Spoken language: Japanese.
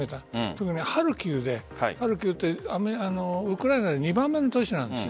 特にハルキウでハルキウはウクライナで２番目の都市なんです。